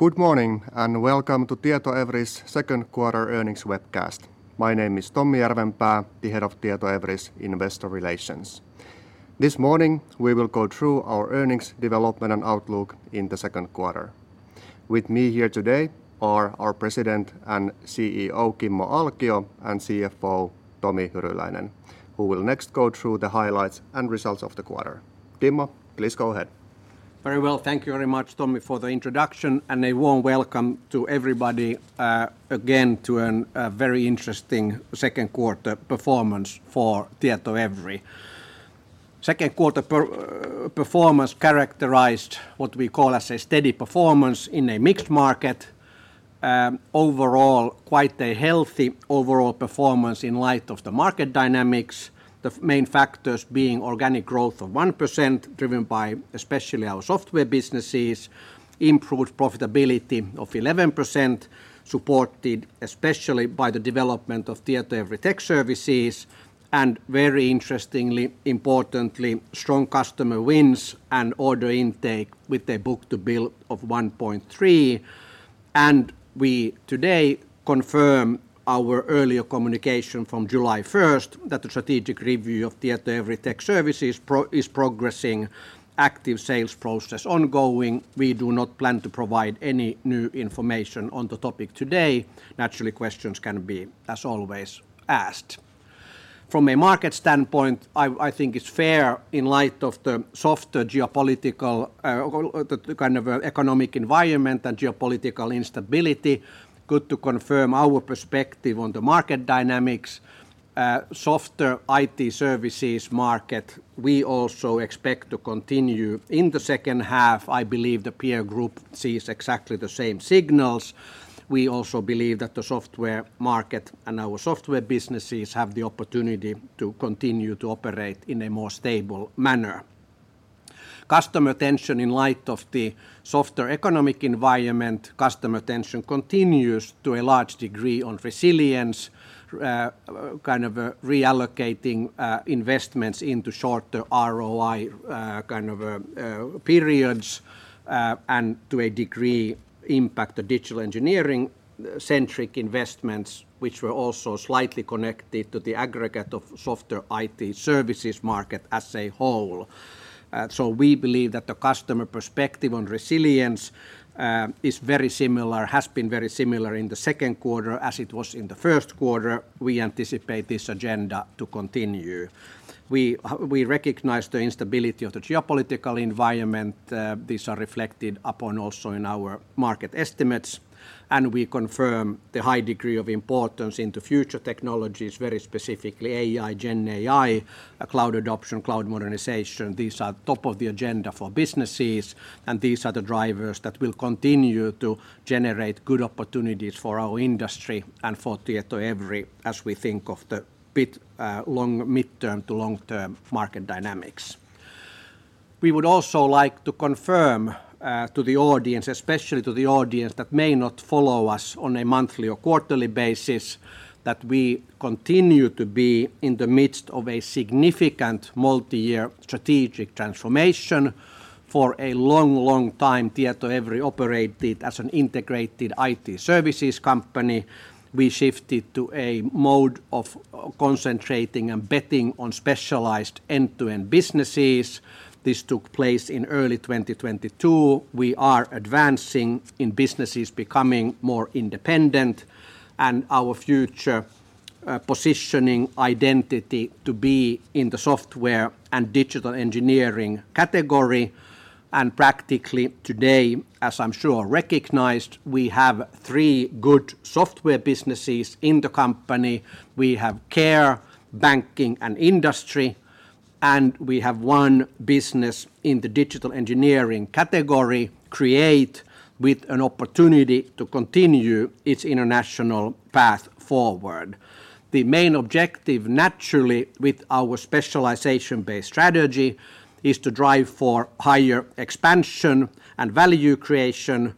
Good morning, and welcome to Tietoevry's second quarter earnings webcast. My name is Tommi Järvenpää, the head of Tietoevry's investor relations. This morning, we will go through our earnings, development, and outlook in the second quarter. With me here today are our president and CEO, Kimmo Alkio, and CFO, Tomi Hyryläinen, who will next go through the highlights and results of the quarter. Kimmo, please go ahead. Very well. Thank you very much, Tommi, for the introduction, and a warm welcome to everybody, again, to a very interesting second quarter performance for Tietoevry. Second quarter performance characterized what we call as a steady performance in a mixed market. Overall, quite a healthy overall performance in light of the market dynamics, the main factors being organic growth of 1%, driven by especially our software businesses, improved profitability of 11%, supported especially by the development of Tietoevry Tech Services, and very interestingly, importantly, strong customer wins and order intake with a book-to-bill of 1.3. We today confirm our earlier communication from July 1st, that the strategic review of Tietoevry Tech Services is progressing, active sales process ongoing. We do not plan to provide any new information on the topic today. Naturally, questions can be, as always, asked. From a market standpoint, I think it's fair, in light of the softer geopolitical, the kind of economic environment and geopolitical instability, good to confirm our perspective on the market dynamics. Softer IT services market, we also expect to continue in the second half. I believe the peer group sees exactly the same signals. We also believe that the software market and our software businesses have the opportunity to continue to operate in a more stable manner. Customer attention in light of the softer economic environment, customer attention continues to a large degree on resilience, kind of reallocating investments into shorter ROI kind of periods, and to a degree, impact the digital engineering centric investments, which were also slightly connected to the aggregate of softer IT services market as a whole. So we believe that the customer perspective on resilience is very similar, has been very similar in the second quarter as it was in the first quarter. We anticipate this agenda to continue. We recognize the instability of the geopolitical environment. These are reflected upon also in our market estimates, and we confirm the high degree of importance into future technologies, very specifically AI, GenAI, cloud adoption, cloud modernization. These are top of the agenda for businesses, and these are the drivers that will continue to generate good opportunities for our industry and for Tietoevry as we think of the long midterm to long-term market dynamics. We would also like to confirm to the audience, especially to the audience that may not follow us on a monthly or quarterly basis, that we continue to be in the midst of a significant multi-year strategic transformation. For a long, long time, Tietoevry operated as an integrated IT services company. We shifted to a mode of concentrating and betting on specialized end-to-end businesses. This took place in early 2022. We are advancing in businesses becoming more independent, and our future positioning identity to be in the software and digital engineering category. And practically today, as I'm sure are recognized, we have three good software businesses in the company. We have Care, Banking, and Industry, and we have one business in the digital engineering category, Create, with an opportunity to continue its international path forward. The main objective, naturally, with our specialization-based strategy, is to drive for higher expansion and value creation,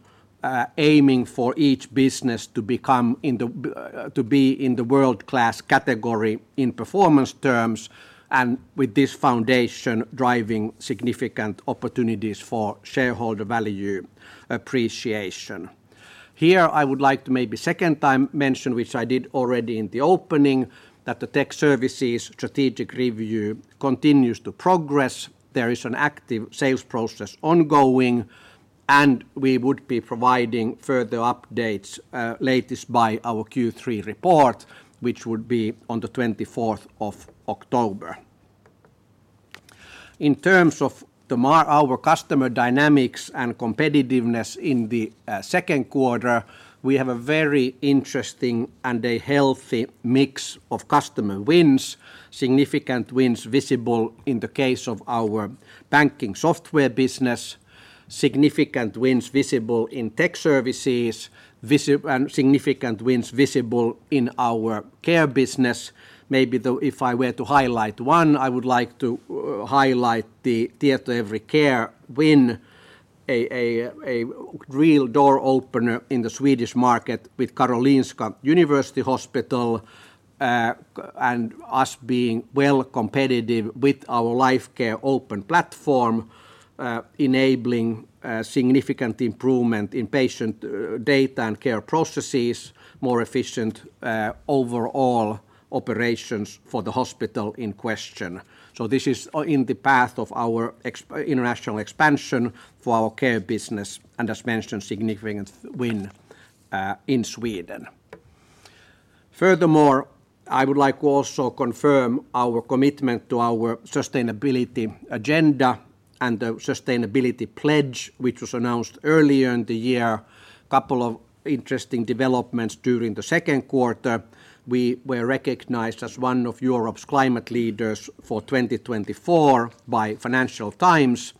aiming for each business to become, to be in the world-class category in performance terms, and with this foundation, driving significant opportunities for shareholder value appreciation. Here, I would like to operations for the hospital in question. So this is in the path of our existing international expansion for our Care business, and as mentioned, significant win in Sweden. Furthermore, I would like to also confirm our commitment to our sustainability agenda and the sustainability pledge, which was announced earlier in the year. Couple of interesting developments during the second quarter: we were recognized as one of Europe's climate leaders for 2024 by Financial Times,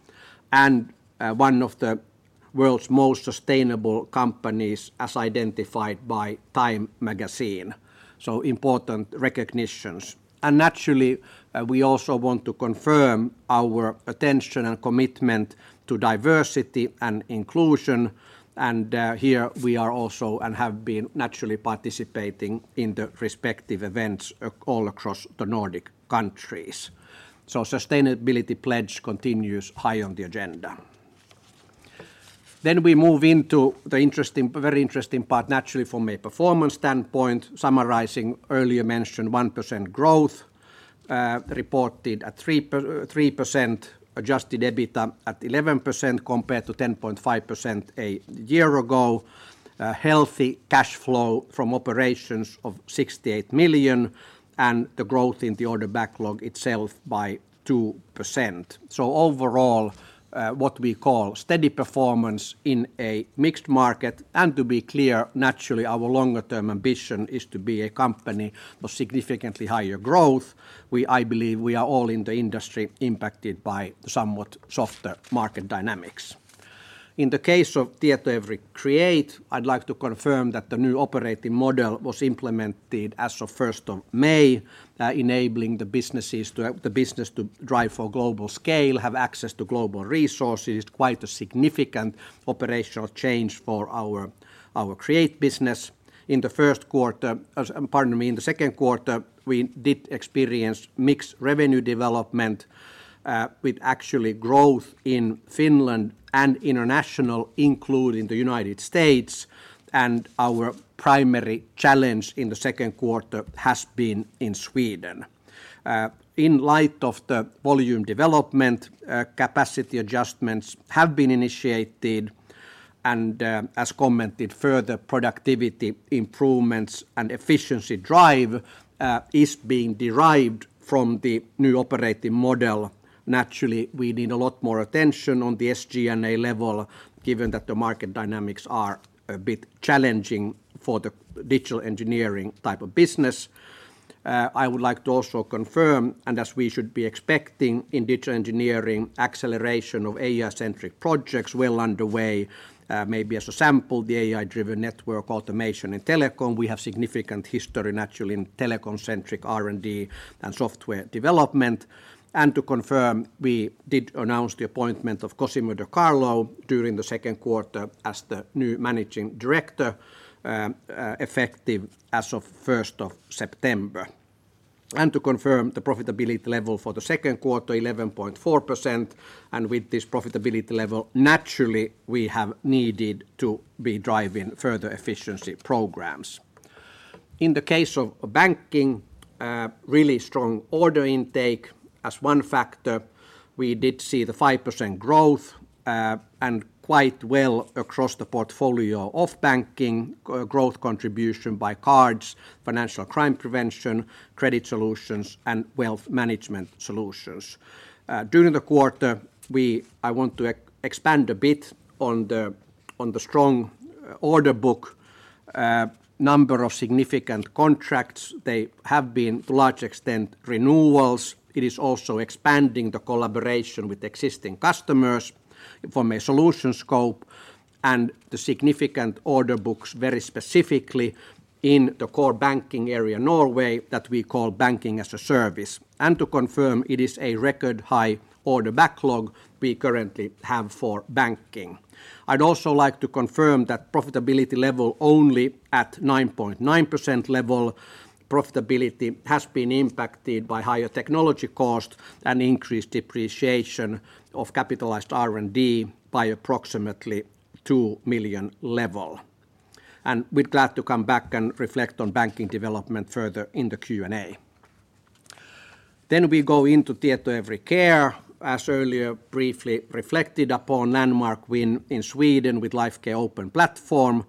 and one of the world's most sustainable companies as identified by Time Magazine, so important recognitions. And naturally, we also want to confirm our attention and commitment to diversity and inclusion, and here we are also and have been naturally participating in the respective events all across the Nordic countries. So sustainability pledge continues high on the agenda. Then we move into the interesting, very interesting part, naturally from a performance standpoint, summarizing earlier mentioned 1% growth, reported at 3%, adjusted EBITDA at 11% compared to 10.5% a year ago. A healthy cash flow from operations of 68 million, and the growth in the order backlog itself by 2%. So overall, what we call steady performance in a mixed market. And to be clear, naturally, our longer-term ambition is to be a company of significantly higher growth. I believe we are all in the industry impacted by somewhat softer market dynamics. In the case of Tietoevry Create, I'd like to confirm that the new operating model was implemented as of first of May, enabling the businesses to have... the business to drive for global scale, have access to global resources, quite a significant operational change for our, our Create business. In the first quarter, pardon me, in the second quarter, we did experience mixed revenue development, with actually growth in Finland and international, including the United States, and our primary challenge in the second quarter has been in Sweden. In light of the volume development, capacity adjustments have been initiated, and, as commented, further productivity improvements and efficiency drive, is being derived from the new operating model. Naturally, we need a lot more attention on the SG&A level, given that the market dynamics are a bit challenging for the digital engineering type of business. I would like to also confirm, and as we should be expecting in digital engineering, acceleration of AI-centric projects well underway. Maybe as a sample, the AI-driven network automation in telecom. We have significant history naturally in telecom-centric R&D and software development. To confirm, we did announce the appointment of Cosimo De Carlo during the second quarter as the new managing director, effective as of September 1. To confirm the profitability level for the second quarter, 11.4%, and with this profitability level, naturally, we have needed to be driving further efficiency programs. In the case of banking, a really strong order intake. As one factor, we did see the 5% growth, and quite well across the portfolio of banking, growth contribution by cards, financial crime prevention, credit solutions, and wealth management solutions. During the quarter, I want to expand a bit on the strong order book. Number of significant contracts, they have been, to large extent, renewals. It is also expanding the collaboration with existing customers from a solution scope, and the significant order books very specifically in the core banking area, Norway, that we call Banking as a Service. And to confirm, it is a record-high order backlog we currently have for banking. I'd also like to confirm that profitability level only at 9.9% level. Profitability has been impacted by higher technology cost and increased depreciation of capitalized R&D by approximately 2 million level. And we'd be glad to come back and reflect on banking development further in the Q&A. Then we go into Tietoevry Care. As earlier briefly reflected upon, landmark win in Sweden with Lifecare Open Platform.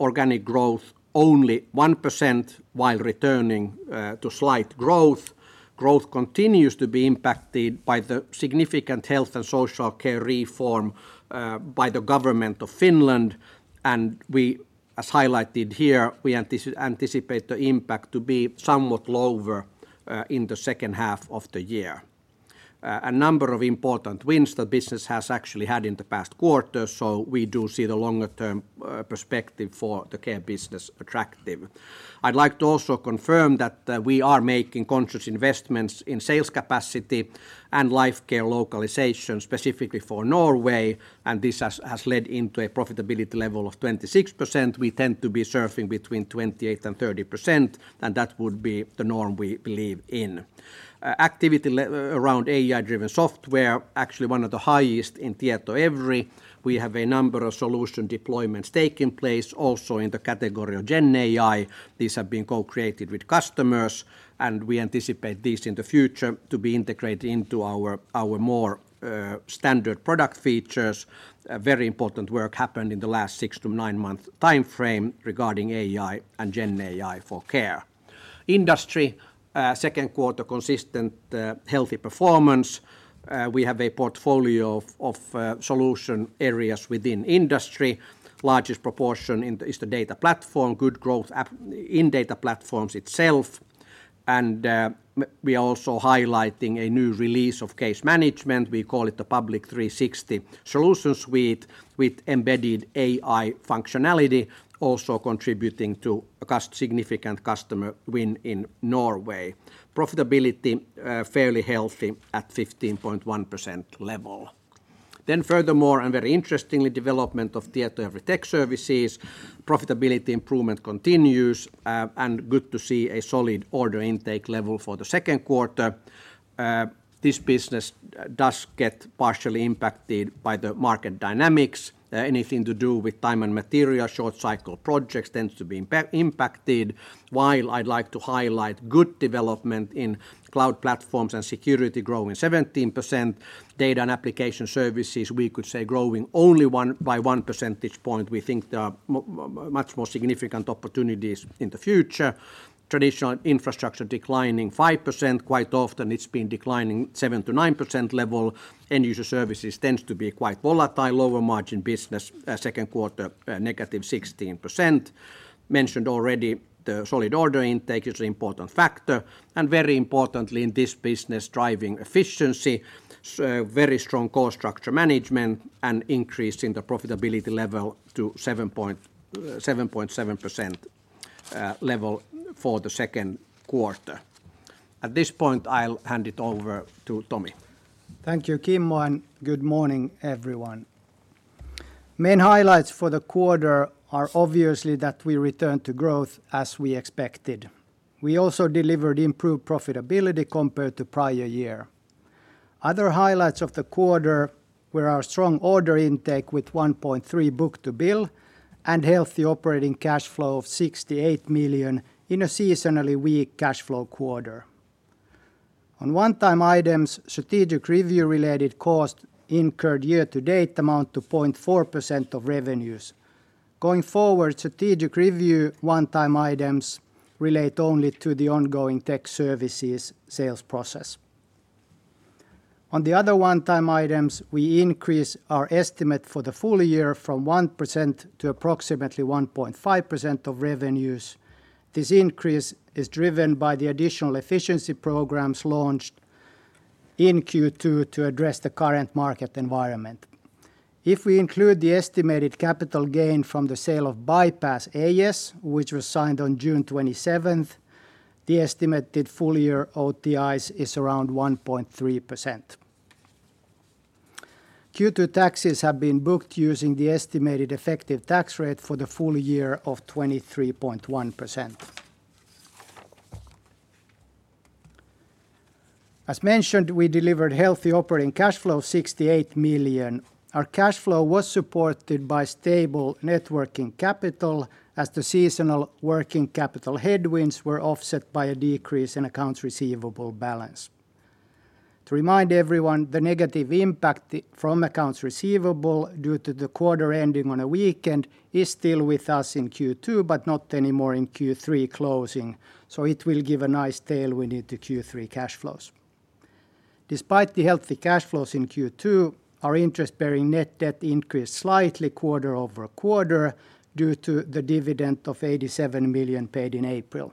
Organic growth only 1% while returning to slight growth. Growth continues to be impacted by the significant health and social care reform, by the government of Finland, and we, as highlighted here, we anticipate the impact to be somewhat lower, in the second half of the year. A number of important wins the business has actually had in the past quarter, so we do see the longer-term perspective for the care business attractive. I'd like to also confirm that, we are making conscious investments in sales capacity and Lifecare localization, specifically for Norway, and this has led into a profitability level of 26%. We tend to be surfing between 28% and 30%, and that would be the norm we believe in. Activity around AI-driven software, actually one of the highest in Tietoevry. We have a number of solution deployments taking place, also in the category of GenAI. These have been co-created with customers, and we anticipate these in the future to be integrated into our more standard product features. A very important work happened in the last 6-9 month timeframe regarding AI and GenAI for care. Industry second quarter, consistent healthy performance. We have a portfolio of solution areas within industry. Largest proportion is the data platform, good growth in data platforms itself. And we are also highlighting a new release of case management. We call it the Public 360° Solution Suite, with embedded AI functionality, also contributing to a significant customer win in Norway. Profitability fairly healthy at 15.1% level. Then furthermore, and very interestingly, development of Tietoevry Tech Services, profitability improvement continues, and good to see a solid order intake level for the second quarter. This business does get partially impacted by the market dynamics. Anything to do with time and material, short-cycle projects tends to be impacted, while I'd like to highlight good development in cloud platforms and security, growing 17%. Data and application services, we could say, growing only by 1 percentage point. We think there are much more significant opportunities in the future. Traditional infrastructure declining 5%. Quite often, it's been declining 7%-9% level. End-user services tends to be quite volatile, lower-margin business, second quarter, -16%. Mentioned already, the solid order intake is an important factor, and very importantly, in this business, driving efficiency, very strong cost structure management, and increase in the profitability level to 7.7%, level for the second quarter. At this point, I'll hand it over to Tomi. Thank you, Kimmo, and good morning, everyone. Main highlights for the quarter are obviously that we returned to growth as we expected. We also delivered improved profitability compared to prior year. Other highlights of the quarter were our strong order intake, with 1.3 book-to-bill, and healthy operating cash flow of 68 million in a seasonally weak cash flow quarter. On one-time items, strategic review-related cost incurred year to date amount to 0.4% of revenues. Going forward, strategic review one-time items relate only to the ongoing Tech Services sales process. On the other one-time items, we increase our estimate for the full year from 1% to approximately 1.5% of revenues. This increase is driven by the additional efficiency programs launched in Q2 to address the current market environment. If we include the estimated capital gain from the sale of Bypass AS, which was signed on June 27, the estimated full-year OTIs is around 1.3%. Q2 taxes have been booked using the estimated effective tax rate for the full year of 23.1%. As mentioned, we delivered healthy operating cash flow of 68 million. Our cash flow was supported by stable working capital, as the seasonal working capital headwinds were offset by a decrease in accounts receivable balance. To remind everyone, the negative impact from accounts receivable, due to the quarter ending on a weekend, is still with us in Q2, but not anymore in Q3 closing, so it will give a nice tailwind into Q3 cash flows. Despite the healthy cash flows in Q2, our interest-bearing net debt increased slightly quarter-over-quarter due to the dividend of 87 million paid in April.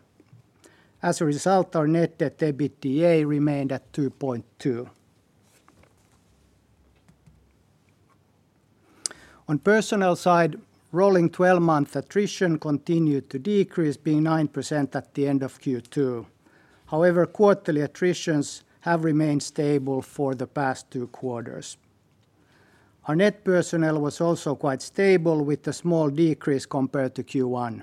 As a result, our net debt EBITDA remained at 2.2. On personnel side, rolling 12-month attrition continued to decrease, being 9% at the end of Q2. However, quarterly attritions have remained stable for the past 2 quarters. Our net personnel was also quite stable, with a small decrease compared to Q1.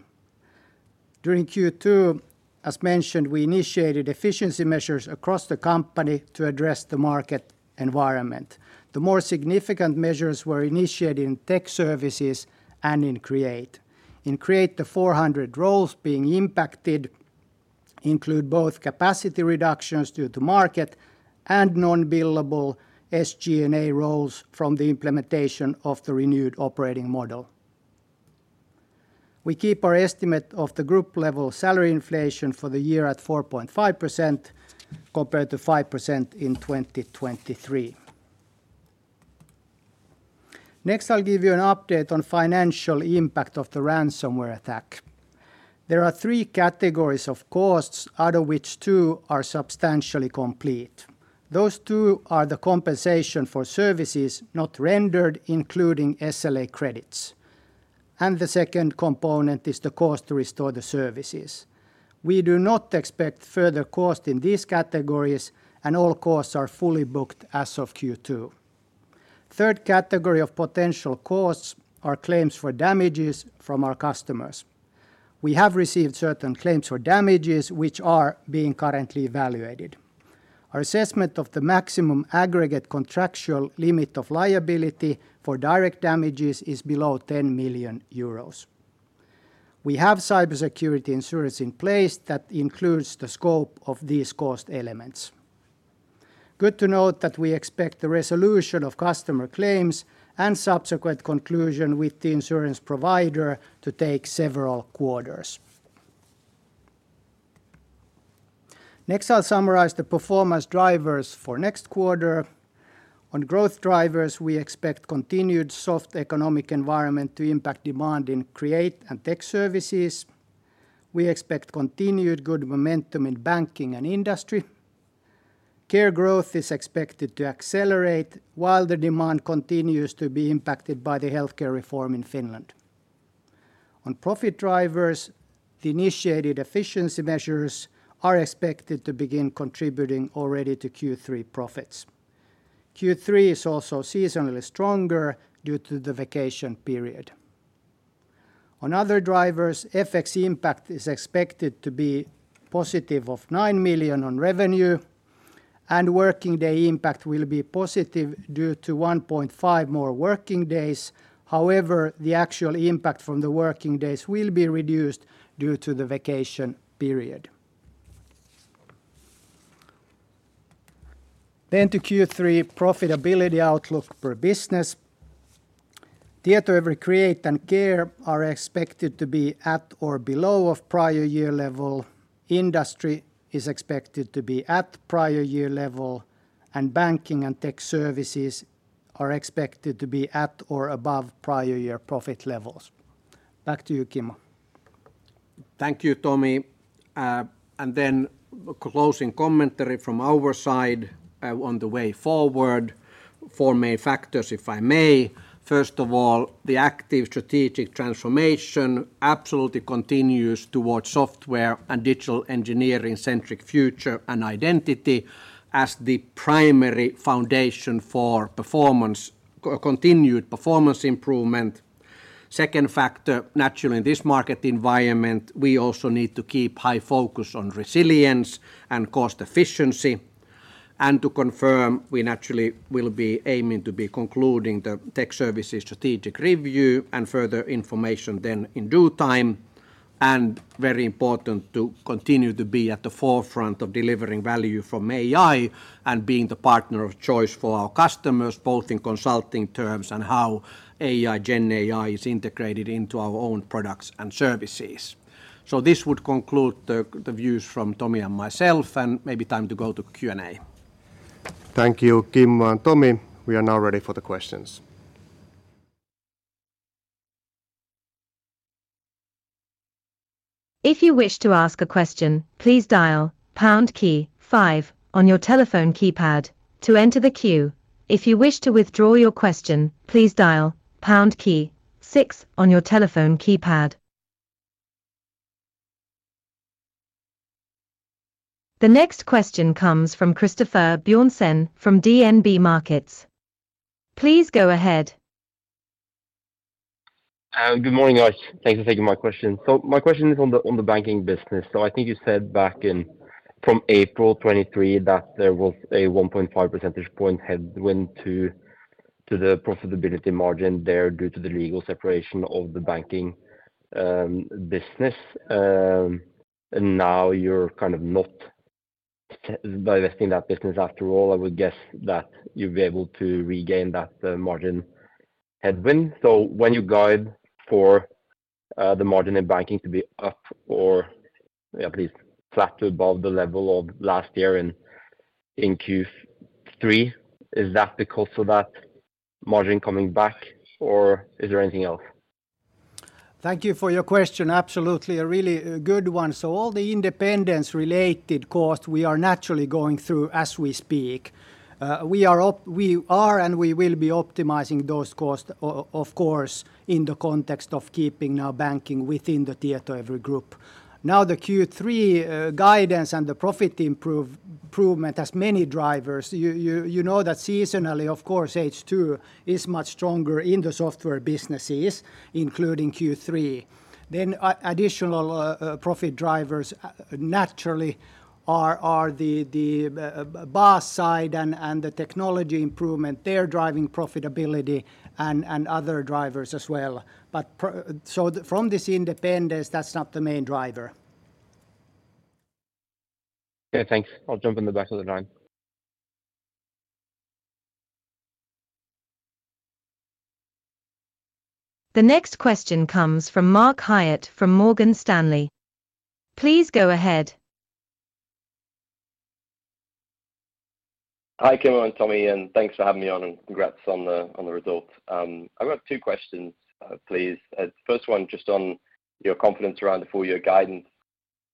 During Q2, as mentioned, we initiated efficiency measures across the company to address the market environment. The more significant measures were initiated in Tech Services and in Create. In Create, the 400 roles being impacted include both capacity reductions due to market and non-billable SG&A roles from the implementation of the renewed operating model. We keep our estimate of the group-level salary inflation for the year at 4.5%, compared to 5% in 2023. Next, I'll give you an update on financial impact of the ransomware attack. There are three categories of costs, out of which two are substantially complete. Those two are the compensation for services not rendered, including SLA credits, and the second component is the cost to restore the services. We do not expect further cost in these categories, and all costs are fully booked as of Q2. Third category of potential costs are claims for damages from our customers. We have received certain claims for damages, which are being currently evaluated. Our assessment of the maximum aggregate contractual limit of liability for direct damages is below 10 million euros. We have cybersecurity insurance in place that includes the scope of these cost elements. Good to note that we expect the resolution of customer claims and subsequent conclusion with the insurance provider to take several quarters. Next, I'll summarize the performance drivers for next quarter. On growth drivers, we expect continued soft economic environment to impact demand in Create and Tech Services. We expect continued good momentum in Banking and Industry. Care growth is expected to accelerate, while the demand continues to be impacted by the healthcare reform in Finland. On profit drivers, the initiated efficiency measures are expected to begin contributing already to Q3 profits. Q3 is also seasonally stronger due to the vacation period. On other drivers, FX impact is expected to be positive of 9 million on revenue, and working day impact will be positive due to 1.5 more working days. However, the actual impact from the working days will be reduced due to the vacation period. Then to Q3 profitability outlook per business. Tietoevry Create and Care are expected to be at or below of prior year level. Industry is expected to be at prior year level, and Banking and Tech Services are expected to be at or above prior year profit levels. Back to you, Kimmo. Thank you, Tomi. And then closing commentary from our side, on the way forward. Four main factors, if I may. First of all, the active strategic transformation absolutely continues towards software and digital engineering-centric future and identity as the primary foundation for performance, continued performance improvement. Second factor, naturally, in this market environment, we also need to keep high focus on resilience and cost efficiency. And to confirm, we naturally will be aiming to be concluding the Tech Services strategic review, and further information then in due time. And very important to continue to be at the forefront of delivering value from AI and being the partner of choice for our customers, both in consulting terms and how AI, GenAI, is integrated into our own products and services. So this would conclude the, the views from Tomi and myself, and maybe time to go to Q&A. Thank you, Kimmo and Tomi. We are now ready for the questions. If you wish to ask a question, please dial pound key five on your telephone keypad to enter the queue. If you wish to withdraw your question, please dial pound key six on your telephone keypad. The next question comes from Christoffer Bjørnsen from DNB Markets. Please go ahead. Good morning, guys. Thanks for taking my question. So my question is on the banking business. So I think you said back in from April 2023, that there was a 1.5 percentage point headwind to the profitability margin there due to the legal separation of the banking business. And now you're kind of not divesting that business after all. I would guess that you'll be able to regain that margin headwind. So when you guide for the margin in banking to be up or at least flat to above the level of last year in Q3, is that because of that margin coming back, or is there anything else? Thank you for your question. Absolutely, a really good one. So all the independence-related cost, we are naturally going through as we speak. We are, and we will be optimizing those costs, of course, in the context of keeping our banking within the Tietoevry group. Now, the Q3 guidance and the profit improvement has many drivers. You know that seasonally, of course, H2 is much stronger in the software businesses, including Q3. Then additional profit drivers naturally are the BaaS side and the technology improvement. They're driving profitability and other drivers as well. But so from this independence, that's not the main driver. Yeah, thanks. I'll jump in the back of the line. The next question comes from Mark Hyatt from Morgan Stanley. Please go ahead. Hi, Kimmo and Tomi, and thanks for having me on, and congrats on the, on the results. I've got two questions, please. First one, just on your confidence around the full year guidance.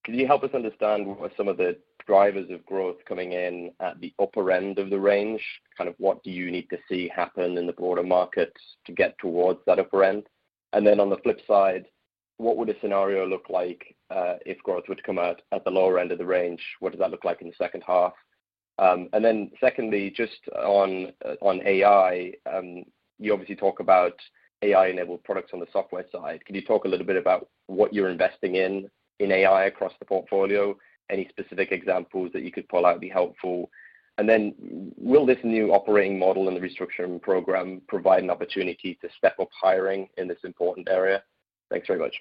Could you help us understand what some of the drivers of growth coming in at the upper end of the range? Kind of what do you need to see happen in the broader markets to get towards that upper end? And then on the flip side, what would a scenario look like, if growth were to come out at the lower end of the range? What does that look like in the second half? And then secondly, just on, on AI, you obviously talk about AI-enabled products on the software side. Could you talk a little bit about what you're investing in, in AI across the portfolio? Any specific examples that you could pull out would be helpful. And then will this new operating model and the restructuring program provide an opportunity to step up hiring in this important area? Thanks very much.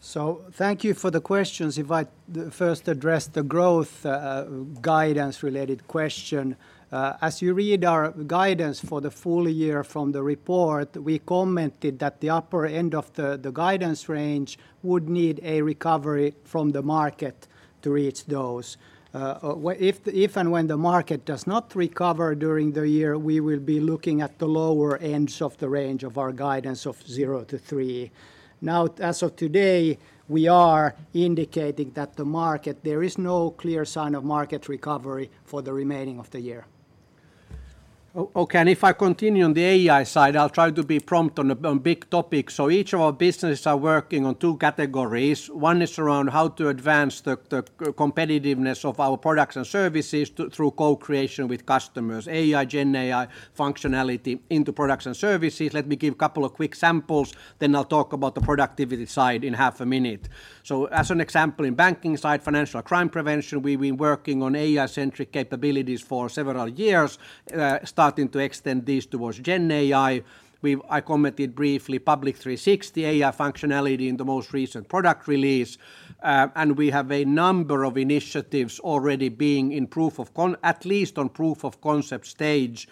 So thank you for the questions. If I first address the growth, guidance-related question. As you read our guidance for the full year from the report, we commented that the upper end of the guidance range would need a recovery from the market to reach those. If and when the market does not recover during the year, we will be looking at the lower ends of the range of our guidance of 0-3. Now, as of today, we are indicating that the market, there is no clear sign of market recovery for the remaining of the year. Okay, and if I continue on the AI side, I'll try to be prompt on the, on big topics. So each of our businesses are working on two categories. One is around how to advance the competitiveness of our products and services through co-creation with customers, AI, GenAI functionality into products and services. Let me give a couple of quick samples, then I'll talk about the productivity side in half a minute. So as an example, in banking side, financial crime prevention, we've been working on AI-centric capabilities for several years, starting to extend these towards GenAI. We've... I commented briefly, Public 360 AI functionality in the most recent product release. And we have a number of initiatives already being in proof of concept stage,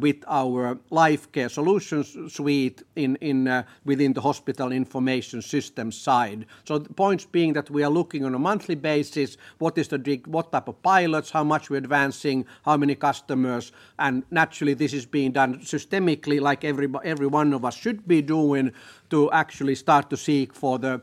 with our life care solutions suite within the hospital information system side. So the points being that we are looking on a monthly basis, what type of pilots, how much we're advancing, how many customers? And naturally, this is being done systematically, like every one of us should be doing to actually start to seek for the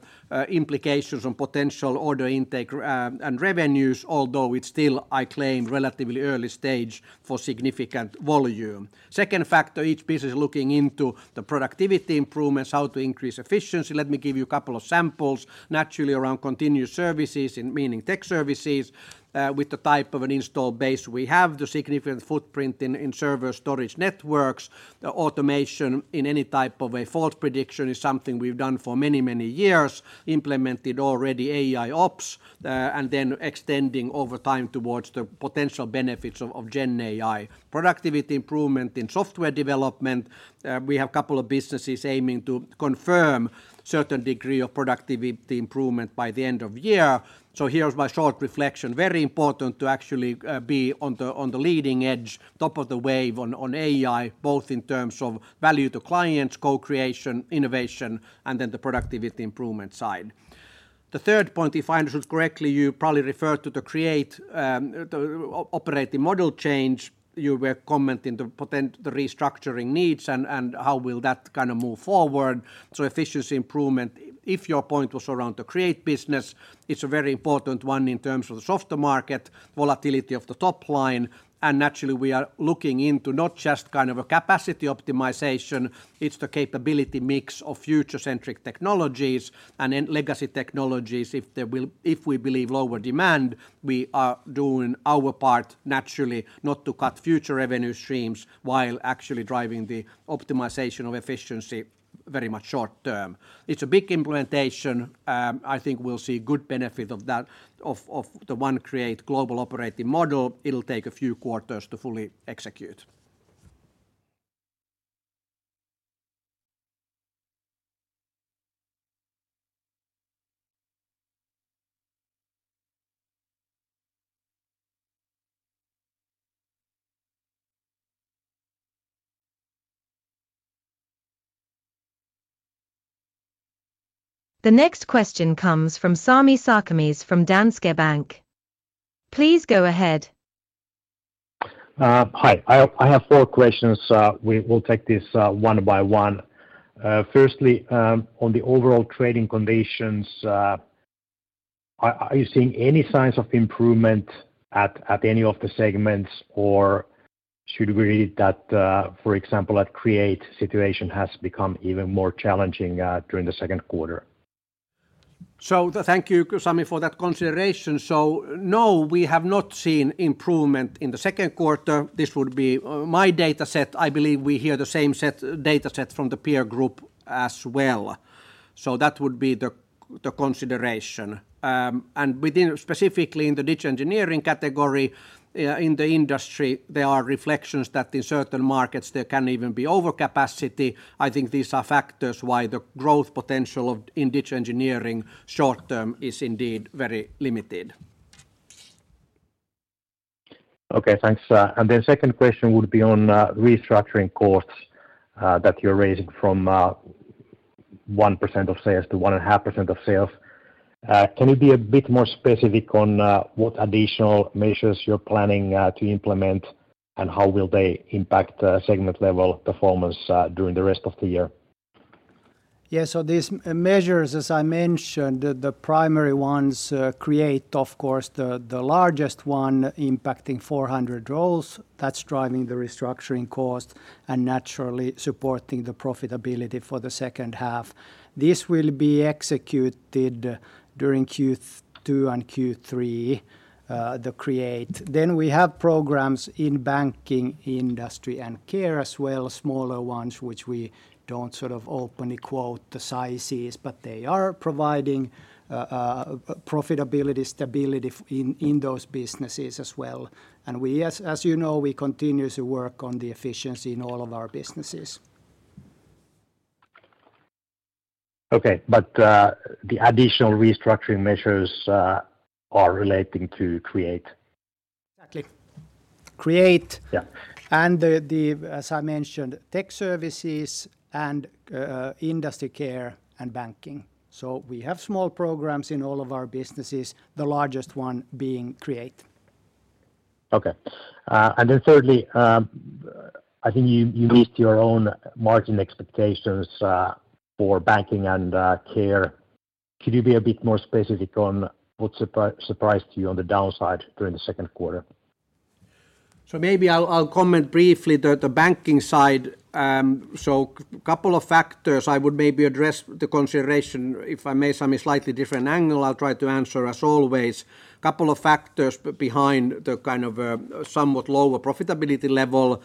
implications on potential order intake, and revenues, although it's still, I claim, relatively early stage for significant volume. Second factor, each business is looking into the productivity improvements, how to increase efficiency. Let me give you a couple of samples. Naturally, around continuous services, I mean Tech Services, with the type of an install base, we have the significant footprint in, in server storage networks. The automation in any type of a fault prediction is something we've done for many, many years, implemented already AIOps, and then extending over time towards the potential benefits of, of GenAI. Productivity improvement in software development, we have a couple of businesses aiming to confirm certain degree of productivity improvement by the end of year. So here's my short reflection. Very important to actually, be on the, on the leading edge, top of the wave on, on AI, both in terms of value to clients, co-creation, innovation, and then the productivity improvement side. The third point, if I understand correctly, you probably refer to the Create, the operating model change. You were commenting the restructuring needs and how will that kind of move forward. So efficiency improvement, if your point was around the Create business, it's a very important one in terms of the softer market, volatility of the top line. And naturally, we are looking into not just kind of a capacity optimization, it's the capability mix of future-centric technologies and then legacy technologies. If we believe lower demand, we are doing our part naturally not to cut future revenue streams while actually driving the optimization of efficiency very much short term. It's a big implementation. I think we'll see good benefit of that, of the one Create global operating model. It'll take a few quarters to fully execute. The next question comes from Sami Sarkamies from Danske Bank. Please go ahead. Hi. I have four questions. We will take this one by one. Firstly, on the overall trading conditions, are you seeing any signs of improvement at any of the segments, or should we read that, for example, at Create, situation has become even more challenging during the second quarter? So thank you, Sami, for that consideration. So, no, we have not seen improvement in the second quarter. This would be my data set. I believe we hear the same data set from the peer group as well. So that would be the consideration. And within, specifically in the digital engineering category, in the industry, there are reflections that in certain markets there can even be overcapacity. I think these are factors why the growth potential of digital engineering, short term, is indeed very limited. Okay, thanks. And then second question would be on restructuring costs that you're raising from 1%-1.5% of sales. Can you be a bit more specific on what additional measures you're planning to implement, and how will they impact segment-level performance during the rest of the year? Yeah, so these measures, as I mentioned, the primary ones, create, of course, the largest one impacting 400 roles. That's driving the restructuring cost and naturally supporting the profitability for the second half. This will be executed during Q2 and Q3, the create. Then we have programs in banking, industry, and care as well, smaller ones, which we don't sort of openly quote the sizes, but they are providing profitability, stability in those businesses as well. And we, as you know, we continue to work on the efficiency in all of our businesses. ... Okay, but the additional restructuring measures are relating to Create? Exactly. Create- Yeah... and, as I mentioned, Tech Services and Industry, Care and Banking. So we have small programs in all of our businesses, the largest one being Create. Okay. And then thirdly, I think you missed your own margin expectations for banking and care. Could you be a bit more specific on what surprised you on the downside during the second quarter? So maybe I'll comment briefly on the banking side. Couple of factors I would maybe address the consideration, if I may, from a slightly different angle. I'll try to answer as always. Couple of factors behind the kind of somewhat lower profitability level.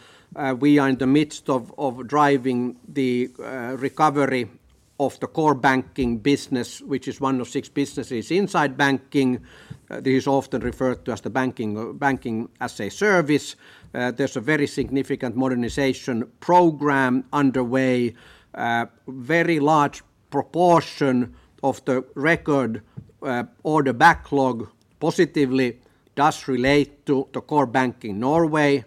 We are in the midst of driving the recovery of the core banking business, which is one of six businesses inside banking. This is often referred to as the banking banking-as-a-service. There's a very significant modernization program underway. Very large proportion of the record or the backlog positively does relate to the core banking Norway,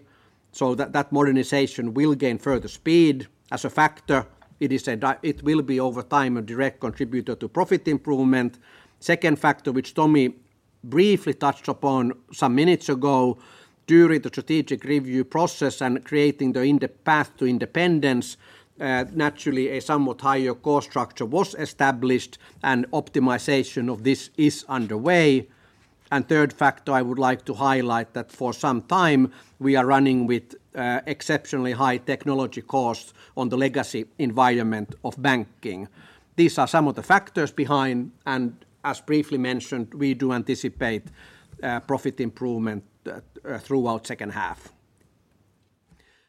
so that modernization will gain further speed. As a factor, it is a direct contributor to profit improvement over time. Second factor, which Tomi briefly touched upon some minutes ago, during the strategic review process and creating the independent path to independence, naturally a somewhat higher cost structure was established, and optimization of this is underway. And third factor I would like to highlight that for some time we are running with exceptionally high technology costs on the legacy environment of banking. These are some of the factors behind, and as briefly mentioned, we do anticipate profit improvement throughout second half.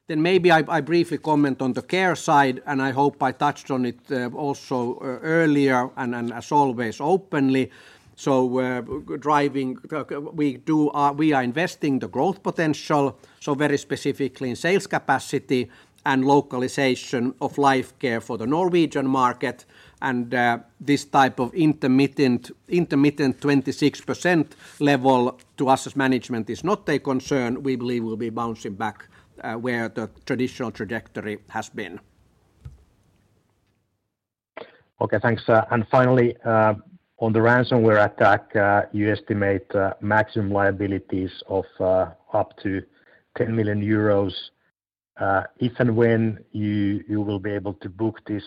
Then maybe I briefly comment on the care side, and I hope I touched on it also earlier and then as always, openly. So we're driving. We are investing the growth potential, so very specifically in sales capacity and localization of life care for the Norwegian market. This type of intermittent 26% level to us as management is not a concern. We believe we'll be bouncing back where the traditional trajectory has been. Okay, thanks. And finally, on the ransomware attack, you estimate maximum liabilities of up to 10 million euros. If and when you will be able to book this,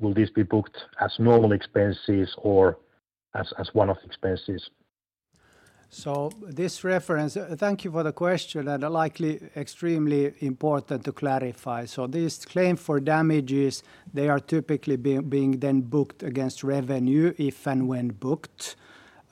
will this be booked as normal expenses or as one-off expenses? So this reference... Thank you for the question, and likely extremely important to clarify. So this claim for damages, they are typically being then booked against revenue, if and when booked.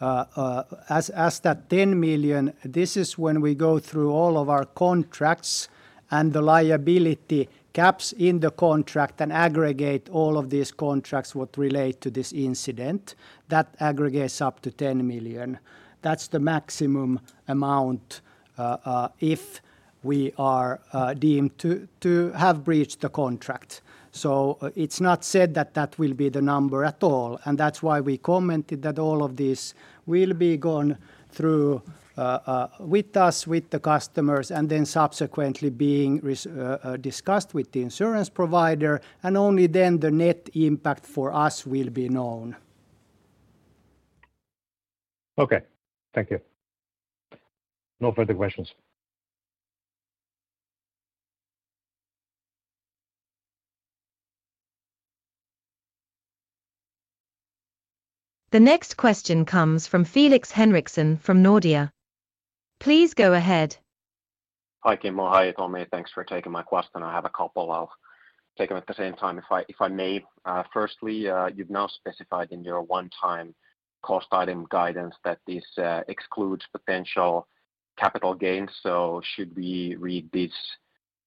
As that 10 million, this is when we go through all of our contracts and the liability caps in the contract and aggregate all of these contracts that relate to this incident. That aggregates up to 10 million. That's the maximum amount, if we are deemed to have breached the contract. So it's not said that that will be the number at all, and that's why we commented that all of this will be gone through with us, with the customers, and then subsequently discussed with the insurance provider, and only then the net impact for us will be known. Okay. Thank you. No further questions. The next question comes from Felix Henriksson from Nordea. Please go ahead. Hi, Kimmo. Hi, Tomi. Thanks for taking my question. I have a couple. I'll take them at the same time, if I, if I may. Firstly, you've now specified in your one-time cost item guidance that this excludes potential capital gains. So should we read this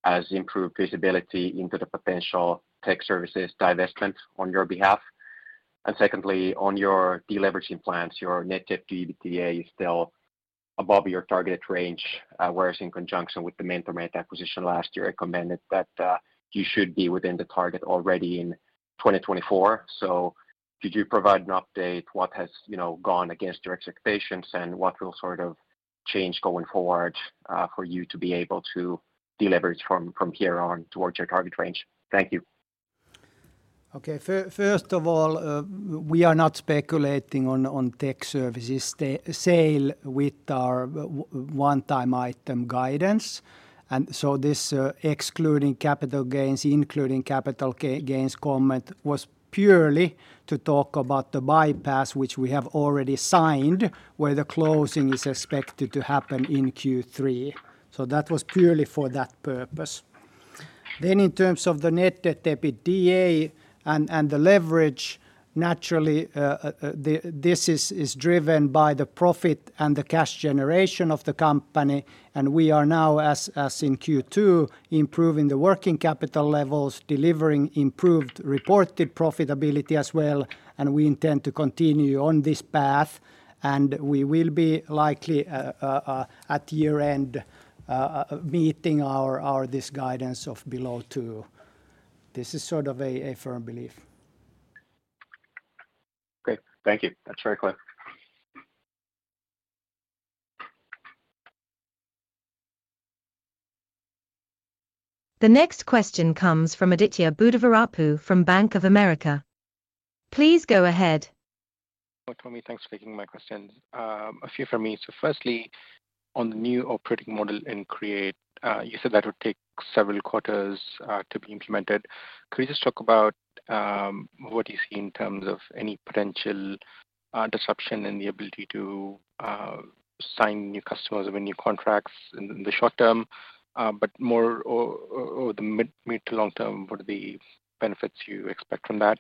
as improved visibility into the potential tech services divestment on your behalf? And secondly, on your deleveraging plans, your net debt to EBITDA is still above your targeted range, whereas in conjunction with the MentorMate acquisition last year, I commented that you should be within the target already in 2024. So could you provide an update what has, you know, gone against your expectations and what will sort of change going forward, for you to be able to deleverage from, from here on towards your target range? Thank you. Okay. First of all, we are not speculating on tech services sale with our one-time item guidance. So this, excluding capital gains, including capital gains comment, was purely to talk about the bypass, which we have already signed, where the closing is expected to happen in Q3. So that was purely for that purpose. Then in terms of the net debt to EBITDA and the leverage, naturally, this is driven by the profit and the cash generation of the company. And we are now, as in Q2, improving the working capital levels, delivering improved reported profitability as well... and we intend to continue on this path, and we will be likely at year-end meeting our this guidance of below two. This is sort of a firm belief. Great. Thank you. That's very clear. The next question comes from Aditya Buddhavarapu from Bank of America. Please go ahead. Hi, Tomi. Thanks for taking my questions. A few from me. So firstly, on the new operating model in Create, you said that would take several quarters to be implemented. Could you just talk about what you see in terms of any potential disruption in the ability to sign new customers or win new contracts in the short term, but more or the mid- to long-term, what are the benefits you expect from that?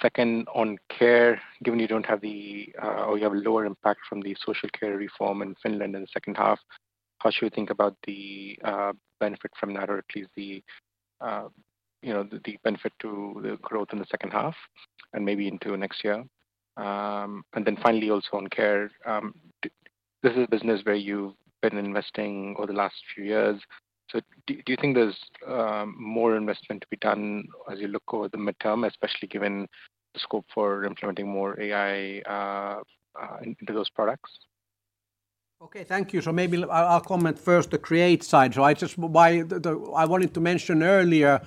Second, on Care, given you don't have the or you have a lower impact from the social care reform in Finland in the second half, how should we think about the benefit from that, or at least you know, the benefit to the growth in the second half and maybe into next year? And then finally, also on Care, this is a business where you've been investing over the last few years. So do you think there's more investment to be done as you look over the midterm, especially given the scope for implementing more AI into those products? Okay, thank you. So maybe I'll, I'll comment first the Create side. So I just wanted to mention earlier,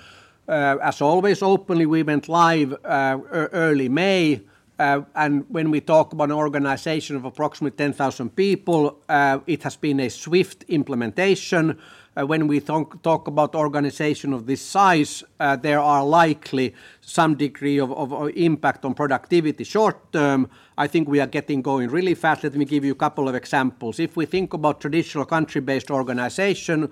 as always, openly, we went live early May. And when we talk about an organization of approximately 10,000 people, it has been a swift implementation. When we talk about organization of this size, there are likely some degree of impact on productivity short term. I think we are getting going really fast. Let me give you a couple of examples. If we think about traditional country-based organization,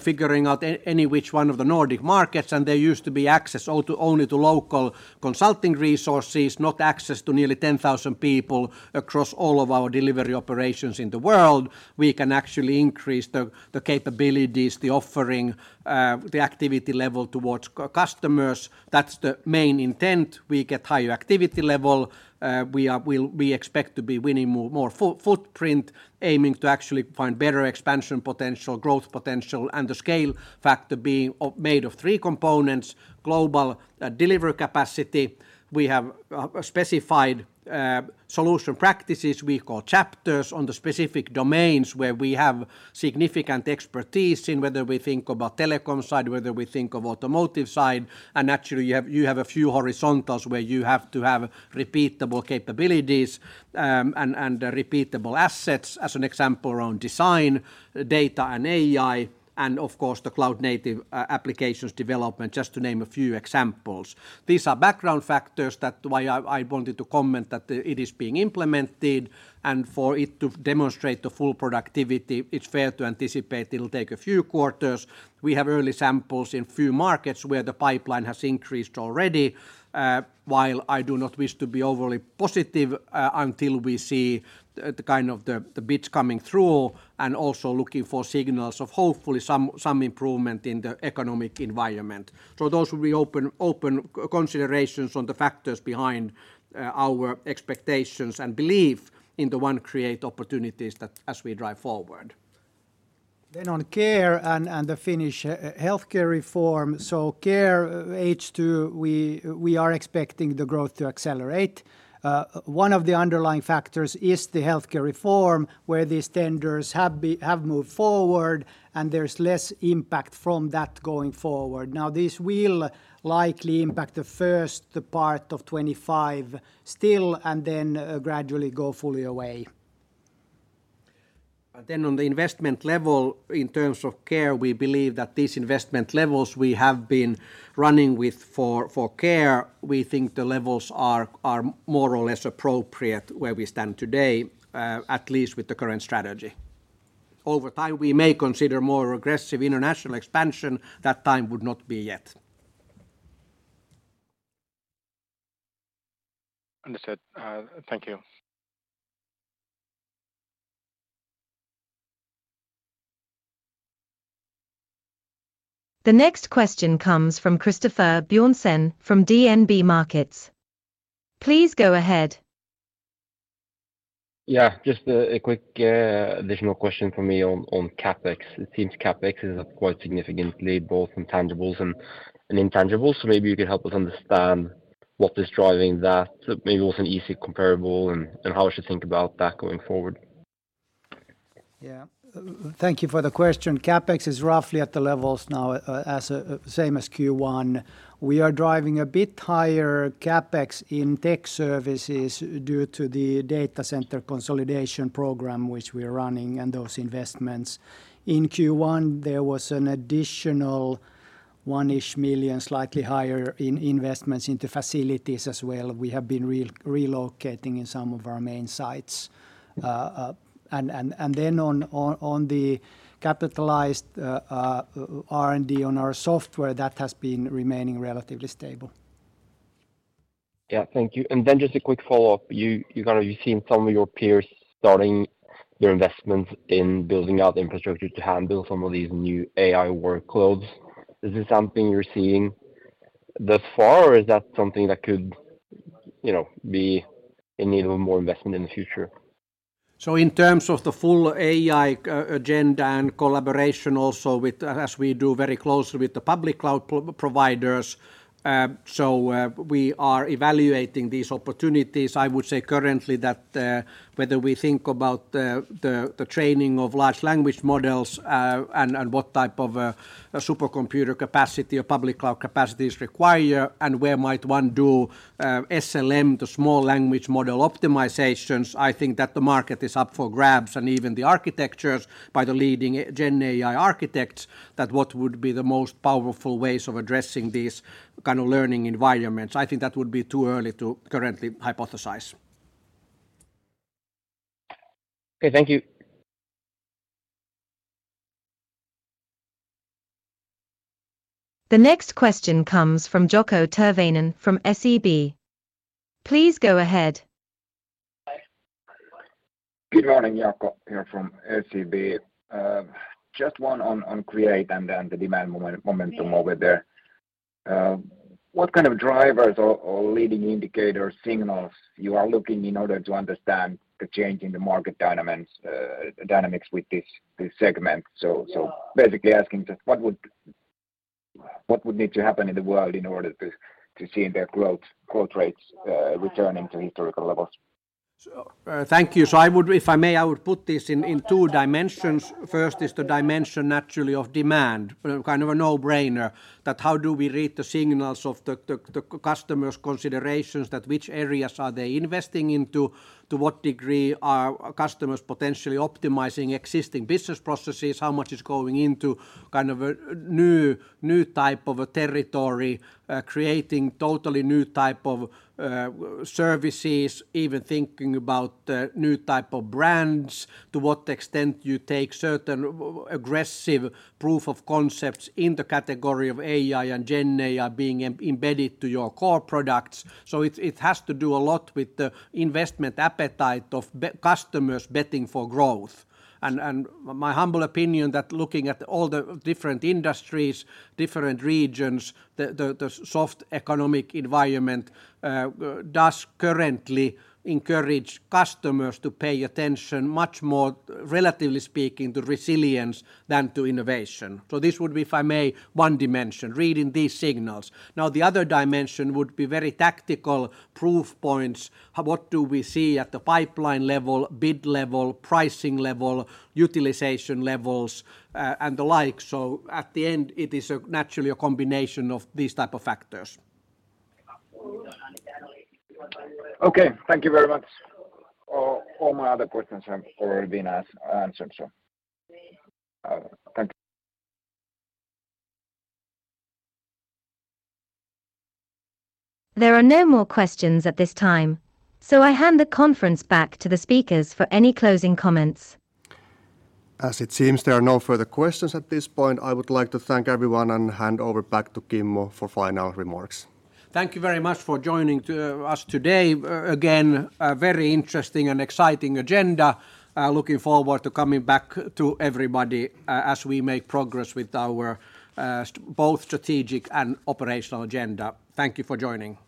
figuring out any which one of the Nordic markets, and there used to be access to only local consulting resources, not access to nearly 10,000 people across all of our delivery operations in the world, we can actually increase the capabilities, the offering, the activity level towards customers. That's the main intent. We get higher activity level. We expect to be winning more footprint, aiming to actually find better expansion potential, growth potential, and the scale factor being made of three components: global delivery capacity. We have specified solution practices we call chapters on the specific domains where we have significant expertise in whether we think about telecom side, whether we think of automotive side. Naturally, you have a few horizontals where you have to have repeatable capabilities, and repeatable assets, as an example, around design, data, and AI, and of course, the cloud native applications development, just to name a few examples. These are background factors that's why I wanted to comment that it is being implemented, and for it to demonstrate the full productivity, it's fair to anticipate it'll take a few quarters. We have early samples in few markets where the pipeline has increased already. While I do not wish to be overly positive, until we see the kind of the bits coming through and also looking for signals of hopefully some improvement in the economic environment. So those will be open considerations on the factors behind our expectations and belief in the One Create opportunities that as we drive forward. Then on Care and the Finnish healthcare reform, so Care H2, we are expecting the growth to accelerate. One of the underlying factors is the healthcare reform, where these tenders have moved forward, and there's less impact from that going forward. Now, this will likely impact the first part of 2025 still, and then gradually go fully away. But then on the investment level, in terms of care, we believe that these investment levels we have been running with for care, we think the levels are more or less appropriate where we stand today, at least with the current strategy. Over time, we may consider more aggressive international expansion. That time would not be yet. Understood. Thank you. The next question comes from Christoffer Bjørnsen from DNB Markets. Please go ahead. Yeah, just a quick additional question from me on CapEx. It seems CapEx is up quite significantly, both in tangibles and intangibles. So maybe you could help us understand what is driving that. So maybe what's an easy comparable and how we should think about that going forward? Yeah. Thank you for the question. CapEx is roughly at the levels now, as same as Q1. We are driving a bit higher CapEx in tech services due to the data center consolidation program, which we are running and those investments. In Q1, there was an additional 1-ish million, slightly higher in investments into facilities as well. We have been relocating in some of our main sites. And then on the capitalized R&D on our software, that has been remaining relatively stable. Yeah. Thank you. And then just a quick follow-up. You kind of, you've seen some of your peers starting their investments in building out infrastructure to handle some of these new AI workloads. Is this something you're seeing thus far, or is that something that could, you know, be in need of more investment in the future? So in terms of the full AI agenda and collaboration also with, as we do very closely with the public cloud providers, so, we are evaluating these opportunities. I would say currently that, whether we think about the training of large language models, and what type of a supercomputer capacity or public cloud capacity is required, and where might one do SLM, the small language model optimizations, I think that the market is up for grabs, and even the architectures by the leading GenAI architects, that what would be the most powerful ways of addressing these kind of learning environments. I think that would be too early to currently hypothesize. Okay, thank you. The next question comes from Jaakko Turväinen from SEB. Please go ahead. Good morning, Jaakko here from SEB. Just one on Create and then the demand momentum over there. What kind of drivers or leading indicator signals you are looking in order to understand the change in the market dynamics with this segment? So basically asking just what would need to happen in the world in order to see their growth rates returning to historical levels? So, thank you. So I would... If I may, I would put this in, in two dimensions. First is the dimension naturally of demand. Kind of a no-brainer, that how do we read the signals of the customer's considerations, that which areas are they investing into? To what degree are customers potentially optimizing existing business processes? How much is going into kind of a new type of a territory, creating totally new type of services, even thinking about new type of brands? To what extent you take certain aggressive proof of concepts in the category of AI and GenAI being embedded to your core products. So it has to do a lot with the investment appetite of customers betting for growth. In my humble opinion, that looking at all the different industries, different regions, the soft economic environment does currently encourage customers to pay attention much more, relatively speaking, to resilience than to innovation. So this would be, if I may, one dimension, reading these signals. Now, the other dimension would be very tactical proof points. What do we see at the pipeline level, bid level, pricing level, utilization levels, and the like? So at the end, it is naturally a combination of these type of factors. Okay, thank you very much. All my other questions have already been answered, so, thank you. There are no more questions at this time, so I hand the conference back to the speakers for any closing comments. As it seems, there are no further questions at this point. I would like to thank everyone and hand over back to Kimmo for final remarks. Thank you very much for joining us today. Again, a very interesting and exciting agenda. Looking forward to coming back to everybody, as we make progress with our both strategic and operational agenda. Thank you for joining.